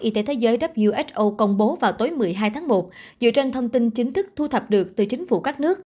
y tế thế giới công bố vào tối một mươi hai tháng một dựa trên thông tin chính thức thu thập được từ chính phủ